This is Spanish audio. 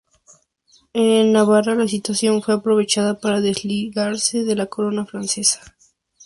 En Navarra la situación fue aprovechada para desligarse de la corona francesa.